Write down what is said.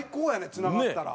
つながったら。